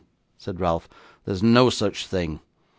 said Ralph, 'there's no such thing.